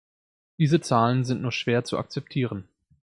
Diese Zahlen sind nur schwer zu akzeptieren.